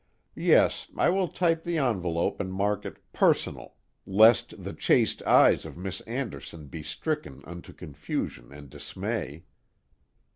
"Yes, I will type the envelope and mark it PERSONAL, lest the chaste eyes of Miss Anderson be stricken unto confusion and dismay.